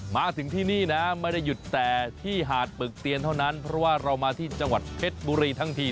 มาถึงที่นี่นะไม่ได้หยุดแต่ที่หาดปึกเตียนเท่านั้นเพราะว่าเรามาที่จังหวัดเพชรบุรีทั้งที